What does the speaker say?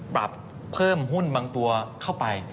ปรับเพิ่มหุ้นบางตัวเข้าไป